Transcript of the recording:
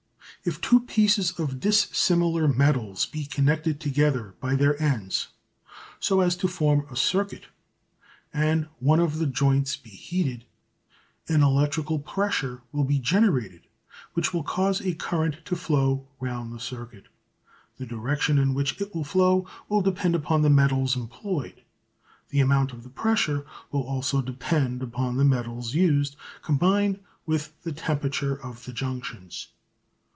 If two pieces of dissimilar metals be connected together by their ends, so as to form a circuit, and one of the joints be heated, an electrical pressure will be generated which will cause a current to flow round the circuit. The direction in which it will flow will depend upon the metals employed. The amount of the pressure will also depend upon the metals used, combined with the temperature of the junctions.